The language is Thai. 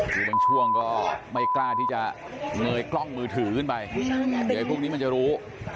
คือบางช่วงก็ไม่กล้าที่จะเงยกล้องมือถือขึ้นไปเดี๋ยวพวกนี้มันจะรู้